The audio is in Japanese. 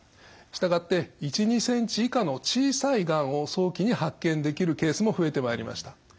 従って１２ｃｍ以下の小さいがんを早期に発見できるケースも増えてまいりました。